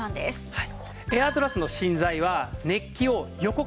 はい。